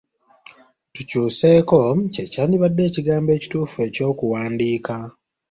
Tukyuseeko' kye kyandibadde ekigambo ekituufu eky’okuwandiika.